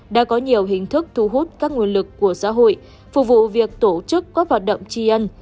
đã có nhiều hình thức thu hút các nguồn lực của xã hội phục vụ việc tổ chức các hoạt động tri ân